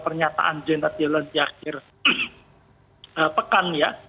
pernyataan janet yellen di akhir pekan ya